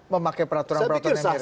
memakai peraturan peraturan yang biasa